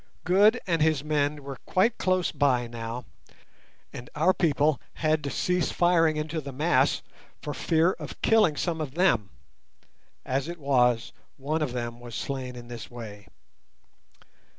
Q. Good and his men were quite close by now, and our people had to cease firing into the mass for fear of killing some of them (as it was, one of them was slain in this way).